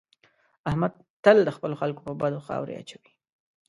احمد تل د خلکو په بدو خاورې اچوي.